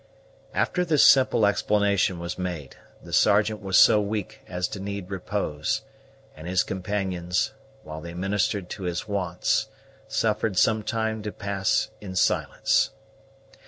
After this simple explanation was made, the Sergeant was so weak as to need repose, and his companions, while they ministered to his wants, suffered some time to pass in silence.